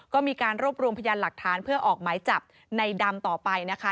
ก็มีการรวบรวมพยานหลักฐานเพื่อออกหมายจับในดำต่อไปนะคะ